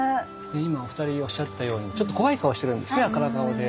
今お２人おっしゃったようにちょっと怖い顔してるんですね赤ら顔で。